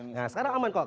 nah sekarang aman kok